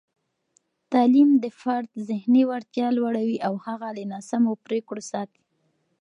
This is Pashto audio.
تعلیم د فرد ذهني وړتیا لوړوي او هغه له ناسمو پرېکړو ساتي.